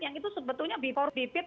yang itu sebetulnya lebih